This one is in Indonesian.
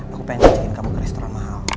aku pengen ajakin kamu ke restoran mahal